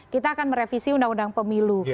kita akan merevisi undang undang pemilu